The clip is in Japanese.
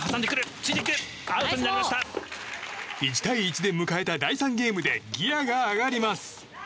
１対１で迎えた第３ゲームでギアが上がります。